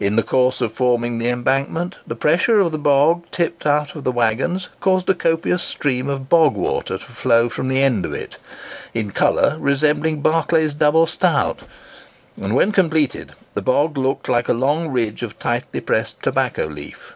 In the course of forming the embankment, the pressure of the bog turf tipped out of the waggons caused a copious stream of bog water to flow from the end of it, in colour resembling Barclay's double stout; and when completed, the bank looked like a long ridge of tightly pressed tobacco leaf.